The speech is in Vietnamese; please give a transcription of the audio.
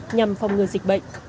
nhằm phòng ngừa dịch bệnh